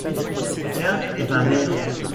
Tiens! et ma mère?